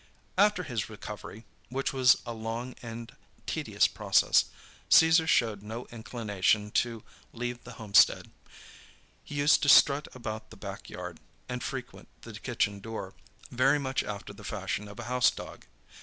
After his recovery, which was a long and tedious process, Caesar showed no inclination to leave the homestead. He used to strut about the back yard, and frequent the kitchen door, very much after the fashion of a house dog.